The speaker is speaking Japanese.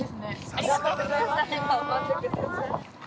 ありがとうございます。